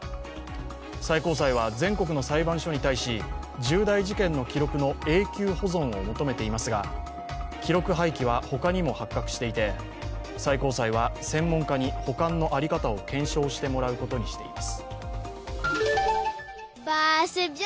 最高裁は全国の裁判所に対し重大事件の記録の永久保存を求めていますが、記録廃棄は他にも発覚していて最高裁は専門家に保管の在り方を検証してもらうことにしています。